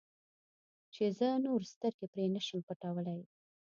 چې زه نور سترګې پرې نه شم پټولی.